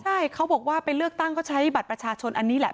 ใช่เขาบอกว่าไปเลือกตั้งเขาใช้บัตรประชาชนอันนี้แหละ